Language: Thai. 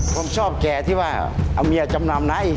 ผมชอบแกที่ว่าเอาเมียจำนำไหน